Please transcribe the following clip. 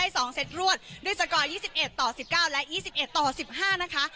สองเซ็ตรวดด้วยสกอร์ยยี่สิบเอ็ดต่อสิบเก้าและยี่สิบเอ็ดต่อสิบห้านะคะ